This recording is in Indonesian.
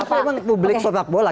apa emang publik sepak bola